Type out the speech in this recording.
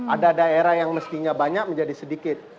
ada daerah yang mestinya banyak menjadi sedikit